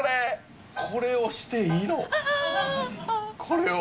これを。